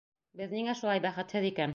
Беҙ ниңә шулай бәхетһеҙ икән?